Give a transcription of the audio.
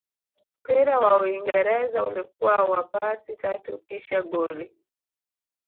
mpira wa uingereza ulikuwa wa pasi tatu kisha goli